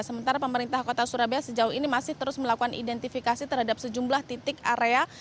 sementara pemerintah kota surabaya sejauh ini masih terus melakukan identifikasi terhadap sejumlah titik area